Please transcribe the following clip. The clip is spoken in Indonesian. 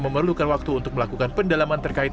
memerlukan waktu untuk melakukan pendalaman terkait